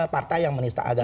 partai yang menista agama